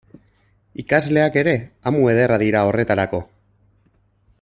Ikasleak ere amu ederra dira horretarako.